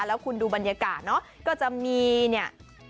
แล้วคุณดูบรรยากาศเนาะก็จะมีเนี่ย